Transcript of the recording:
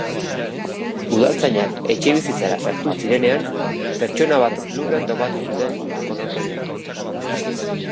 Udaltzainak etxebizitzara sartu zirenean, pertsona bat lurrean topatu zuten, konorterik gabe.